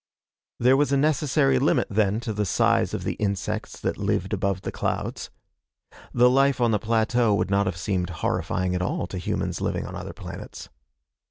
There was a necessary limit then, to the size of the insects that lived above the clouds. The life on the plateau would not have seemed horrifying at all to humans living on other planets.